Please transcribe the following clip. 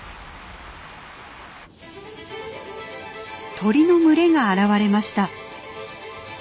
鳥の群れが現れました。